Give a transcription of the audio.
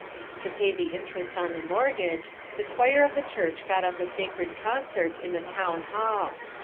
To pay the interest on the mortgage, the choir of the church got up a sacred concert in the town hall.